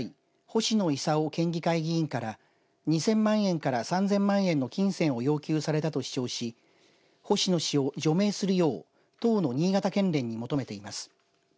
星野伊佐夫県議会議員から２０００万円から３０００万円の金銭を要求されたと主張し星野氏を除名するよう党の新潟県連に求めています。